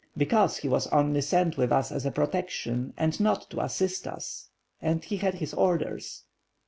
"Because he was only sent with us as a protection and not to assist us, and he had his orders."